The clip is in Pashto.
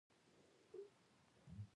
د کابل امیر هم باید تشویق شي.